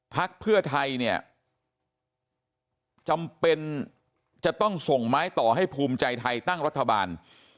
พักเพื่อไทยเนี่ยจำเป็นจะต้องส่งไม้ต่อให้ภูมิใจไทยตั้งรัฐบาล